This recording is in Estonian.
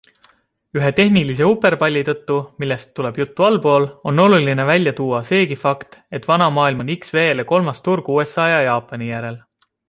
Ühe tehnilise uperpalli tõttu, millest tuleb juttu allpool, on oluline välja tuua seegi fakt, et Vana Maailm on XV-le kolmas turg USA ja Jaapani järel.